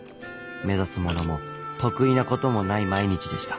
目指すものも得意なこともない毎日でした。